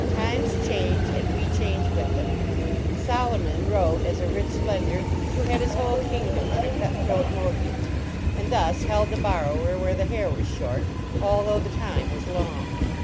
Times change and we change with them. Solomon wrote as a rich lender who had his whole kingdom on a cut throat mortgage, and thus held the borrower where the hair was short, although the time was long.